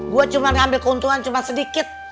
gue cuma ngambil keuntungan cuma sedikit